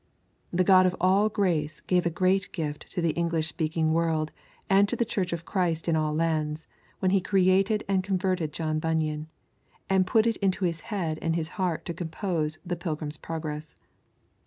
The God of all grace gave a great gift to the English speaking world and to the Church of Christ in all lands when He created and converted John Bunyan, and put it into his head and his heart to compose The Pilgrim's Progress.